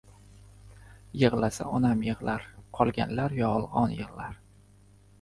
• Yig‘lasa onam yig‘lar, qolganlar yolg‘on yig‘lar.